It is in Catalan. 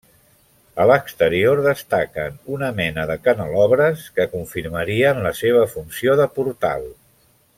A l'exterior destaquen una mena de canelobres, que confirmarien la seva funció de portal.